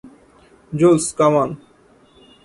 Joules, come on.